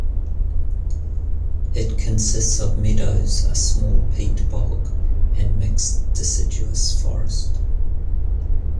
It consists of meadows, a small peat bog and mixed deciduous forest.